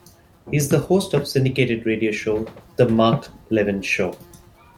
He is the host of syndicated radio show "The Mark Levin Show".